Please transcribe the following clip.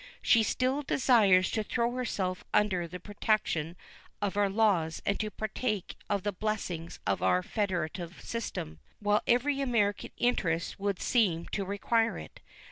She still desires to throw herself under the protection of our laws and to partake of the blessings of our federative system, while every American interest would seem to require it.